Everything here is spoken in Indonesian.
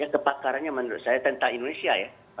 kepakarannya menurut saya tentang indonesia ya